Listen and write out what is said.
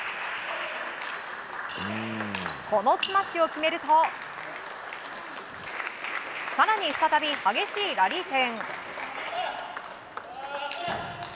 このスマッシュを決めると更に再び、激しいラリー戦。